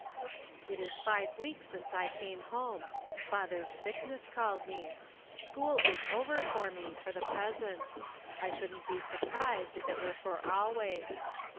It is five weeks since I came home. Father's sickness called me. School is over for me, for the present ; I shouldn't be surprised if it were for always.